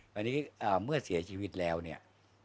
ตอนนี้เมื่อเสียชีวิตแล้วเนี่ย